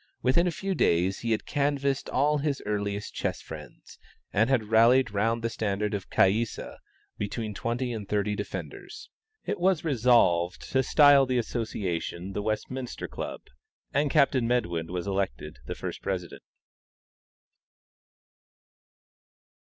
Within a few days he had canvassed all his earliest chess friends, and had rallied round the standard of Caïssa between twenty and thirty defenders. It was resolved to style the association THE WESTMINSTER CLUB, and Captain Medwin was elected the first president.